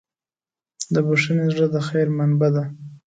د بښنې زړه د خیر منبع ده.